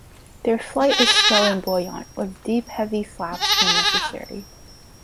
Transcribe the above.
Their flight is slow and buoyant, with deep, heavy flaps when necessary.